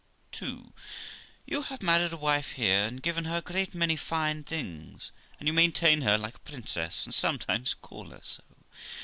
II. You have married a wife here, and given her a great many fine things, and you maintain her like a princess, and sometimes call her so.